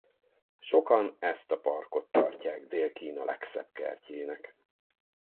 Sokan ezt a parkot tartják Dél-Kína legszebb kertjének.